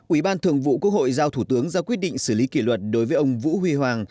ủy ban thường vụ quốc hội giao thủ tướng ra quyết định xử lý kỷ luật đối với ông vũ huy hoàng